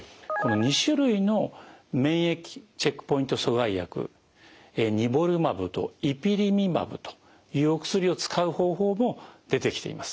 ２種類の免疫チェックポイント阻害薬ニボルマブとイピリムマブというお薬を使う方法も出てきています。